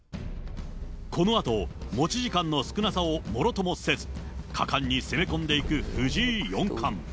このあと、持ち時間の少なさをものともせず、果敢に攻め込んでいく藤井四冠。